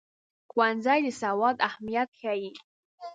ښوونځی د سواد اهمیت ښيي.